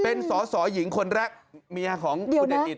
เป็นสอสอหญิงคนแรกเมียของคุณเด่น